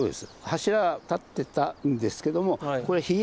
柱が立ってたんですけどもこれ比叡山から。